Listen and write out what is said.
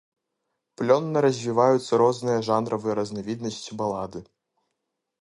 Плённа развіваюцца розныя жанравыя разнавіднасці балады.